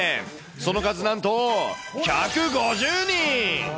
その数なんと１５０人。